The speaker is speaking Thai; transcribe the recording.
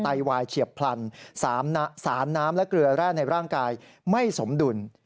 ไตวายเฉียบพลันสารน้ำและเกลือแร่ในร่างกายไม่สมดุล